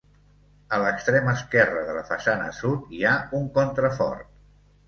A l'extrem esquerre de la façana sud, hi ha un contrafort.